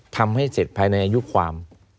ทำให้เสร็จภายในอายุความ